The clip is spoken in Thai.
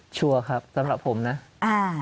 ชัวร์ครับสำหรับผมนะอ่า